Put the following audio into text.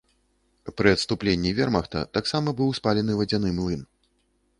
Пры адступленні вермахта таксама быў спалены вадзяны млын.